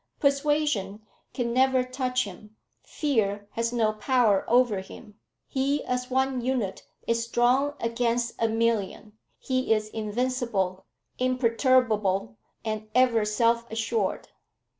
Persuasion can never touch him; fear has no power over him. He, as one unit, is strong against a million. He is invincible, imperturbable, and ever self assured."